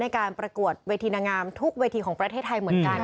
การประกวดเวทีนางงามทุกเวทีของประเทศไทยเหมือนกัน